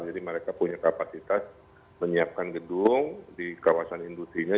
jadi mereka punya kapasitas menyiapkan gedung di kawasan industri nya